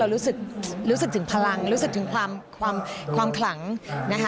รู้สึกรู้สึกถึงพลังรู้สึกถึงความความขลังนะคะ